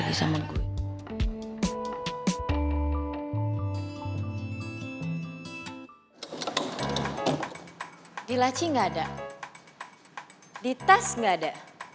di tas nggak ada